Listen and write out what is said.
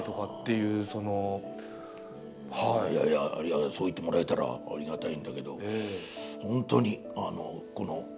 いやいやそう言ってもらえたらありがたいんだけど。